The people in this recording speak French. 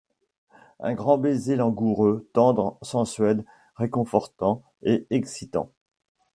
Un grand baiser langoureux, tendre, sensuel, réconfortant… et excitant.